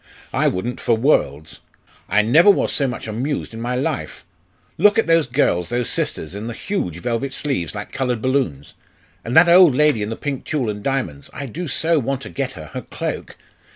"I wouldn't for worlds! I never was so much amused in my life. Look at those girls those sisters in the huge velvet sleeves, like coloured balloons! and that old lady in the pink tulle and diamonds. I do so want to get her her cloak!